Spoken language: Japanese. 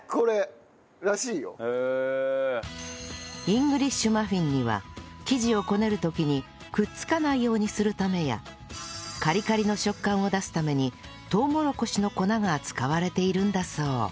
イングリッシュマフィンには生地をこねる時にくっつかないようにするためやカリカリの食感を出すためにとうもろこしの粉が使われているんだそう